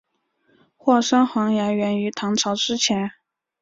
霍山黄芽源于唐朝之前。